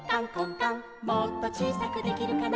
「もっとちいさくできるかな」